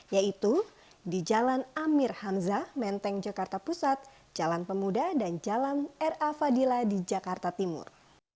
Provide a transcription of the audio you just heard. yaitu di jalan amir hamzah menteng jakarta pusat jalan pemuda dan jalan ra fadilah di jakarta timur